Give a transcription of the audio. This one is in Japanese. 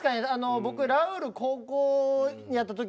僕ラウール高校になったとき